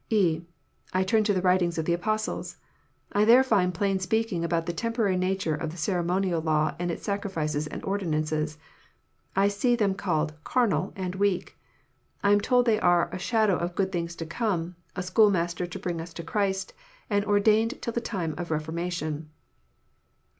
(e) I turn to the writings of the Apostles. I there find plain speaking about the temporary nature of the ceremonial law and its sacrifices and ordinances. I see them called " carnal " and " weak." I am told they are a " shadow of good things to come," " a schoolmaster to bring us to Christ," and " or dained till the time of reformation."